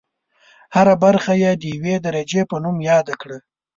هره برخه یې د یوې درجې په نوم یاده کړه.